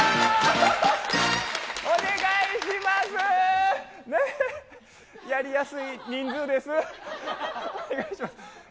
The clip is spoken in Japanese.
お願いします。